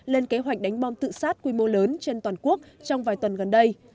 lên kế hoạch đánh bom tự sát quy mô lớn trên toàn quốc trong vài tuần gần đây